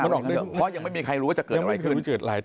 เพราะยังไม่มีใครรู้ว่าจะเกิดอะไรขึ้น